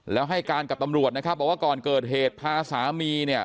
แล้วให้การกับตำรวจนะครับบอกว่าก่อนเกิดเหตุพาสามีเนี่ย